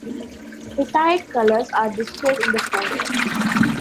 Retired Colours are displayed in the foyer.